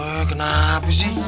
eh kenapa sih